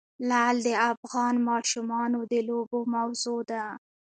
لعل د افغان ماشومانو د لوبو موضوع ده.